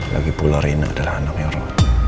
lagipula rina adalah anak hero